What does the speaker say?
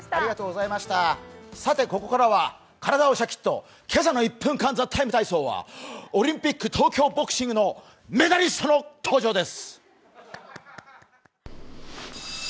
ここからは、体をシャッキッと今朝の１分間体操はオリンピック東京ボクシングのメダリストの登場です。